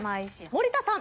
森田さん。